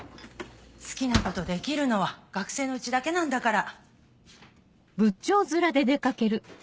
好きなことできるのは学生のうちだけなんだから。